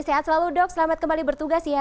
sehat selalu dok selamat kembali bertugas ya